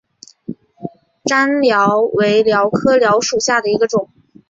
粘蓼为蓼科蓼属下的一个种。